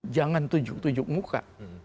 jangan tunjuk tunjuk muka